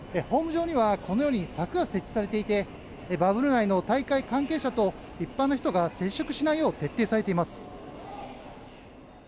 ホーム上には柵が設置されていてバブル内の大会関係者と一般の人が接触しないよう徹底されています。